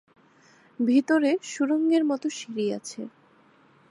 ভিতরে সুড়ঙ্গের মত সিঁড়ি আছে।